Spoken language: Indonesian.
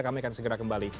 kami akan segera kembali